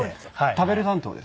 食べる担当です。